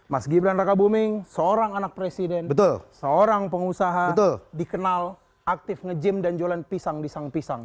mas gibran raka buming seorang anak presiden seorang pengusaha dikenal aktif nge gym dan jualan pisang di sang pisang